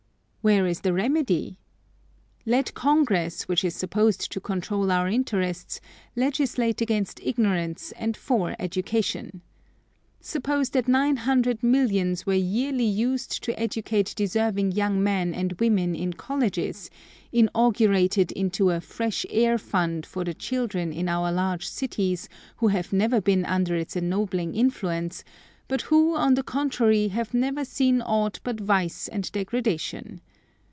Where is the remedy? Let Congress, which is supposed to control our interests, legislate against ignorance and for education. Suppose that nine hundred millions were yearly used to educate deserving young men and women in colleges; inaugurated into a "fresh air fund" for the children in our large cities who have never been under its ennobling influence, but who, on the contrary, have never seen aught but vice and degradation.